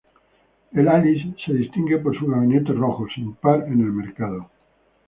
El Alice se distingue por su gabinete rojo, sin par en el mercado.